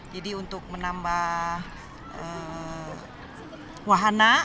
jadi untuk menambah wahana